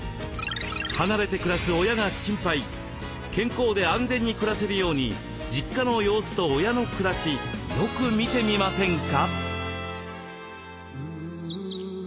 健康で安全に暮らせるように実家の様子と親の暮らしよく見てみませんか？